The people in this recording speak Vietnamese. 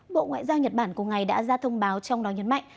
bộ ngoại giao nhật bản cùng ngày đã ra thông báo trong đó nhấn mạnh